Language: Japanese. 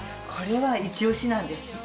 これは一押しなんです。